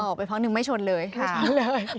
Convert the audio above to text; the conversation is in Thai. ออกไปพักหนึ่งไม่ชนเลยค่ะ